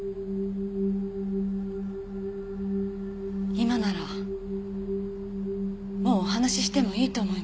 今ならもうお話ししてもいいと思います。